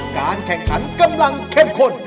การแข่งขันกำลังเข้มข้น